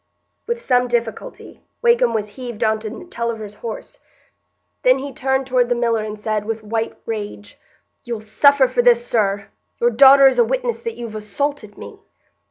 With some difficulty, Wakem was heaved on to Tulliver's horse. Then he turned toward the miller and said, with white rage, "You'll suffer for this, sir. Your daughter is a witness that you've assaulted me."